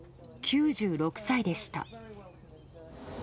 ９６歳でした。